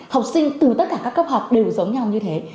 học sinh từ tất cả các cấp học đều giống nhau như thế